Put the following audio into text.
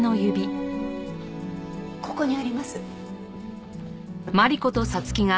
ここにあります。